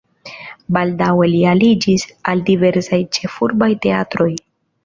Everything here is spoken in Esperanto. Baldaŭe li aliĝis al diversaj ĉefurbaj teatroj.